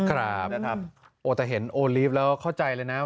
ครับแต่เห็นโอลิฟต์แล้วเข้าใจเลยนะ